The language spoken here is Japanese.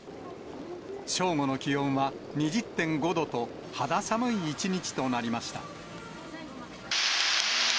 正午の気温は２０．５度と、肌寒い一日となりました。